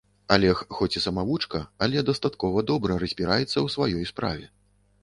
Алег хоць і самавучка, але дастаткова добра разбіраецца ў сваёй справе.